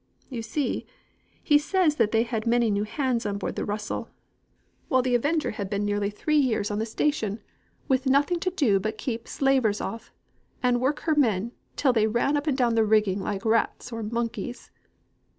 You see, he says that they had many new hands on board the Russell, while the Avenger had been nearly three years on the station, with nothing to do but to keep slavers off, and work her men, till they ran up and down the rigging like rats or monkeys."